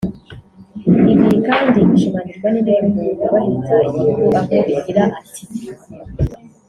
Ibi kandi bishimangirwa n’indirimbo yubahiriza Igihugu aho igira ati